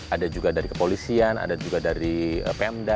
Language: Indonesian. ada juga dari kepolisian ada juga dari pemda